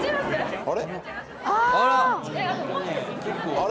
あれ？